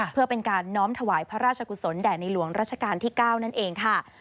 เพื่อเป็นการน้อมถวายพระราชกุศลแด่ในหลวงราชการที่๙นั่นเองค่ะ